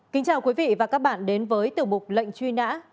kính chào quý vị và các bạn đến với tiểu mục lệnh truy nã